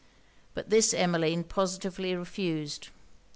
But this Emmeline positively refused.